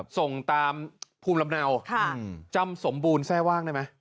ส่งตามภูมิลำเนาจำสมบูรณแทร่ว่างได้ไหม